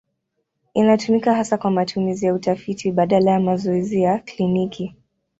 Inatumika hasa kwa matumizi ya utafiti badala ya mazoezi ya kliniki.